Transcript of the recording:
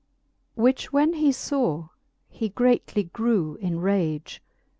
XLVII. Which when he faw, he greatly grew in rage.